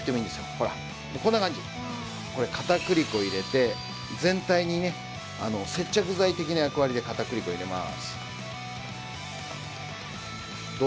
ほらこんな感じこれ片栗粉入れて全体にねあの接着剤的な役割で片栗粉入れます